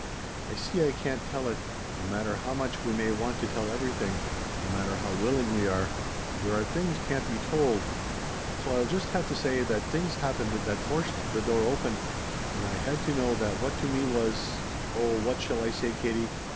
I see I can't tell it; no matter how much we may want to tell everything no matter how willing we are there are things can't be told, so I'll just have to say that things happened that forced the door open, and I had to know that what to me was oh what shall I say, Katie?